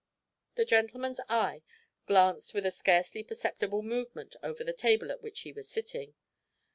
The gentleman's eye glanced with a scarcely perceptible movement over the table at which he was sitting.